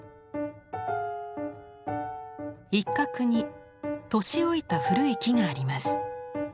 一角に年老いた古い木があります。